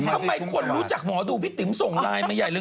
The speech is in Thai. ทำไมคนรู้จักหมอดูพี่ติ๋มส่งไลน์มาใหญ่เลย